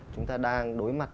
chúng ta đang đối mặt